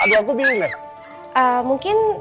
aduh aku bingung deh